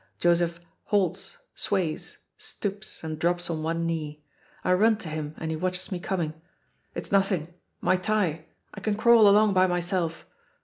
Joseph halts, sways, stoops, and drops on one knee. I run to him and he watches me coming. "It's nothing my thigh. I can crawl along by myself."